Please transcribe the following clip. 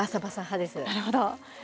なるほど。